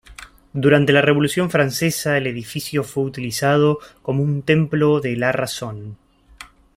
Durante la Revolución Francesa el edificio fue utilizado como un templo de la Razón.